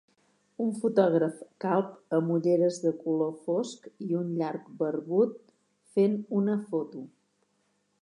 Un fotògraf calb amb ulleres de color fosc i un llarg barbut fent una foto.